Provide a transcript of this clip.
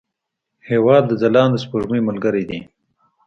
هېواد د ځلانده سپوږمۍ ملګری دی.